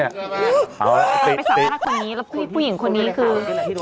ตามไปสามรักษณ์คนนี้แล้วผู้หญิงคนนี้คือ